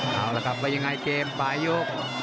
เอาละครับว่ายังไงเกมปลายยก